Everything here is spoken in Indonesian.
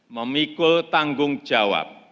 memikul tanggung jawab